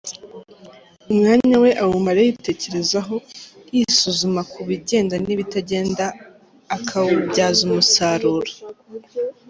Umwanya we, awumara yitekerezaho, yisuzuma ku bigenda n’ibitagenda akawubyaza umusaruro.